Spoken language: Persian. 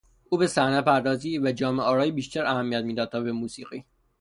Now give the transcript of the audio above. او به صحنهپردازی و جامهآرایی بیشتر اهمیت میداد تا به موسیقی.